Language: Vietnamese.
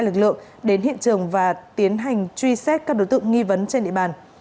lực lượng đến hiện trường và tiến hành truy xét các đối tượng nghi vấn trên địa bàn